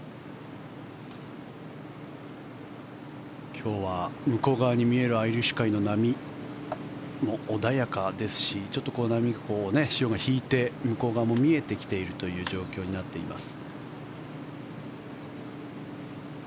今日は向こう側に見えるアイリッシュ海の波も穏やかですし波が、潮が引いて向こう側も見えてきているという状況になっています。